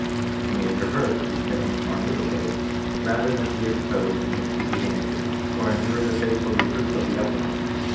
He may pr^er to be smitten and mutilated, rather than be exposed in his secret iniquities, or endure the faithful reproof of the upright.